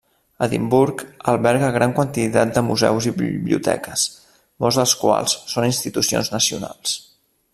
Edimburg alberga gran quantitat de museus i biblioteques, molts dels quals són institucions nacionals.